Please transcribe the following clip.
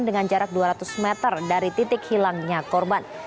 dengan jarak dua ratus meter dari titik hilangnya korban